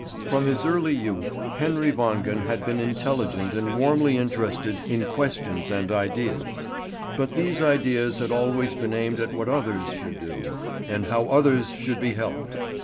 From his early youth Henry Wangen had been intelligent and warmly interested in questions and ideas; but these ideas had always been aimed at what others should do, and how others should be helped.